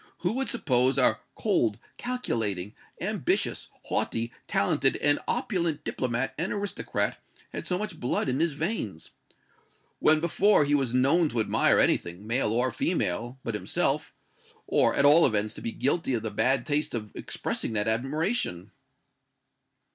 "Who would suppose our cold, calculating, ambitious, haughty, talented and opulent diplomat and aristocrat had so much blood in his veins? When before was he known to admire anything, male or female but himself or, at all events, to be guilty of the bad taste of expressing that admiration?"